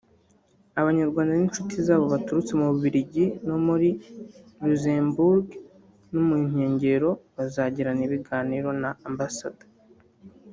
Abanyarwanda n’inshuti zabo baturutse mu Bubiligi no muri Luxembourg no mu nkengero bazagirana ibiganiro na Amb